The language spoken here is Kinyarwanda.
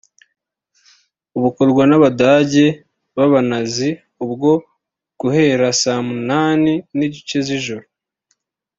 bukorwa n’abadage b’abanazi ubwo guhera saa munani n’igice z’ijoro